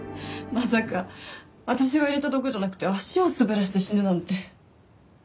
まさか私が入れた毒じゃなくて足を滑らせて死ぬなんて。